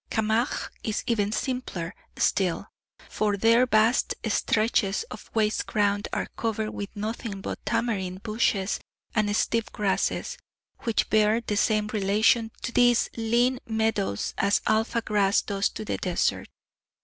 Camargue is even simpler still, for there vast stretches of waste ground are covered with nothing but tamarind bushes and stiff grasses, which bear the same relation to these lean meadows as alfa grass does to the desert.